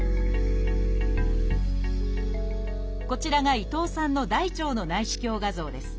こちらが伊藤さんの大腸の内視鏡画像です。